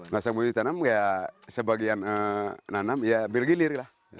masa mulia tanam sebagian nanam bergilir